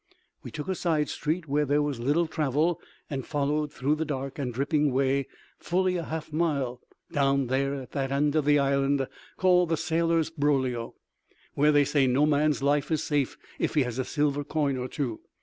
We took a side street where there was little travel and followed through the dark and dripping way, fully a half mile, down there in that end of the island called the sailors' broglio, where they say no man's life is safe if he has a silver coin or two.